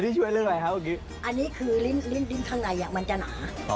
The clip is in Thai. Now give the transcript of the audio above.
นี่ช่วยเรื่องอะไรครับเมื่อกี้อันนี้คือลิ้นลิ้นดินข้างในอ่ะมันจะหนา